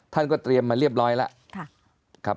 ท่านก็เตรียมมาเรียบร้อยแล้ว